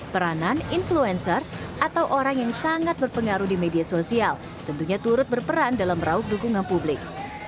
peranan influencer atau orang yang sangat berpengaruh di media sosial tentunya turut berperan dalam meraup dukungan publik